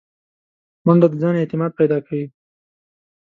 منډه د ځان اعتماد پیدا کوي